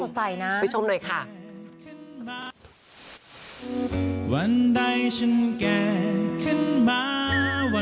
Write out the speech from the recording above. สวัสดีนะไปชมหน่อยค่ะอ๋อสุสัยนะ